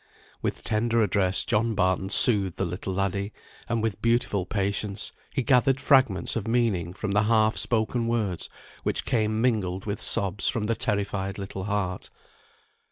With tender address, John Barton soothed the little laddie, and with beautiful patience he gathered fragments of meaning from the half spoken words which came mingled with sobs from the terrified little heart.